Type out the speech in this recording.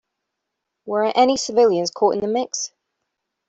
Were any civilians caught in the mix?